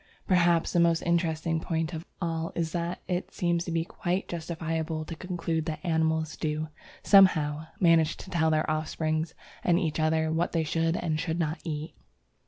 Perhaps the most interesting point of all is that it seems to be quite justifiable to conclude that animals do, somehow, manage to tell their offspring and each other what they should and should not eat.